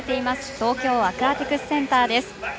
東京アクアティクスセンターです。